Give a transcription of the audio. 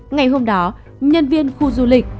ngày hôm đó nhân viên khu du lịch